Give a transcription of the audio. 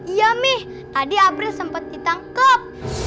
iya mih tadi apriah sempet ditangkep